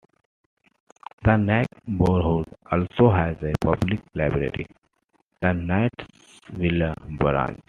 The neighborhood also has a public library, The Knightsville Branch.